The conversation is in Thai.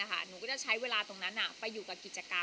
หนูก็จะใช้เวลาตรงนั้นไปอยู่กับกิจกรรม